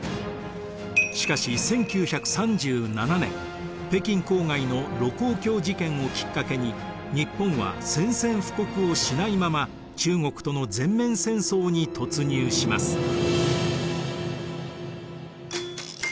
しかし１９３７年北京郊外の盧溝橋事件をきっかけに日本は宣戦布告をしないまま中国との全面戦争に突入します。